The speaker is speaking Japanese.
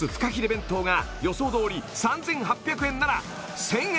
弁当が予想どおり３８００円なら１０００円